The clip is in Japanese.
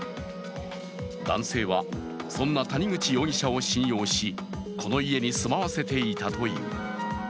男性はそんな谷口容疑者を信用し、この家に住まわせていたという。